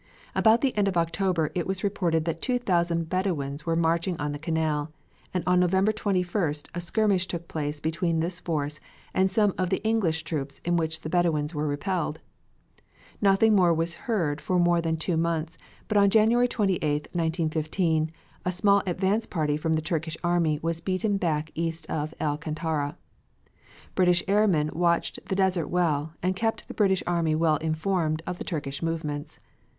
About the end of October it was reported that 2,000 Bedouins were marching on the Canal, and on November 21st a skirmish took place between this force and some of the English troops in which the Bedouins were repelled. Nothing more was heard for more than two months, but on January 28, 1915, a small advance party from the Turkish army was beaten back east of El Kantara. British airmen watched the desert well and kept the British army well informed of the Turkish movements.